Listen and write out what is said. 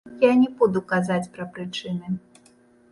Я не буду казаць пра прычыны.